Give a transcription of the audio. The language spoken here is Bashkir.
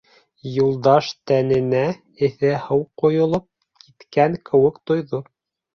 Юлдаш тәненә эҫе һыу ҡойолоп киткән кеүек тойҙо.